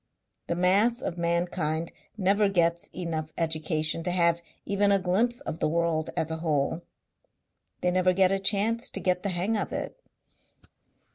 The mass of mankind never gets enough education to have even a glimpse of the world as a whole. They never get a chance to get the hang of it.